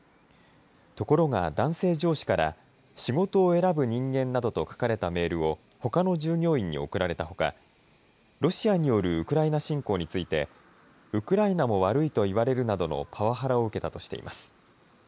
ところが男性上司から仕事を選ぶ人間などと書かれたメールをほかの従業員に送られたほか、ロシアによるウクライナ侵攻についてウクライナも悪いと言われるなどのパワハラを受けたとしています。